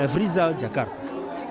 f rizal jakarta